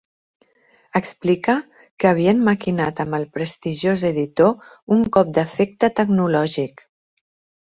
Explica que havien maquinat amb el prestigiós editor un cop d'efecte tecnològic.